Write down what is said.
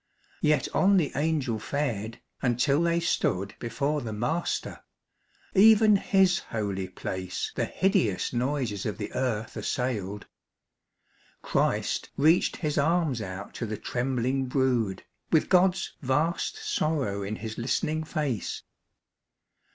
Yet on the Angel fared, until they stood Before the Master. (Even His holy place The hideous noises of the earth assailed.) Christ reached His arms out to the trembling brood, With God's vast sorrow in His listening face.